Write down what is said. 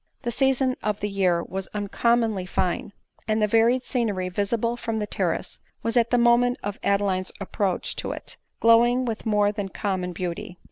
The season of the year was uncommonly fine ; and the varied scenery visible from the terrace was at the mo ment of Adeline's approach to it, glowing with more than common beauty.